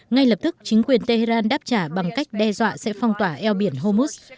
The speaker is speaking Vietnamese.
ngay lập tức chính quyền tehran đáp trả bằng cách đe dọa sẽ phong tỏa eo biển hormuz